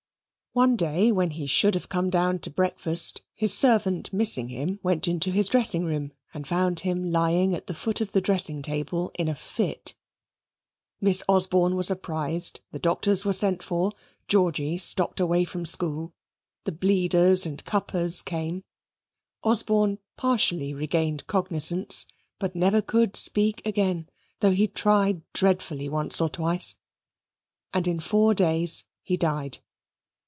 One day when he should have come down to breakfast, his servant missing him, went into his dressing room and found him lying at the foot of the dressing table in a fit. Miss Osborne was apprised; the doctors were sent for; Georgy stopped away from school; the bleeders and cuppers came. Osborne partially regained cognizance, but never could speak again, though he tried dreadfully once or twice, and in four days he died.